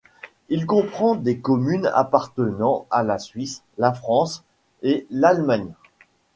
Il comprend des communes appartenant à la Suisse, la France et l'Allemagne.